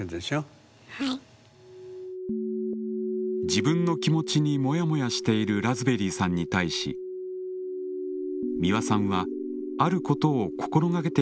自分の気持ちにモヤモヤしているラズベリーさんに対し美輪さんはあることを心掛けてみてはどうかと言います。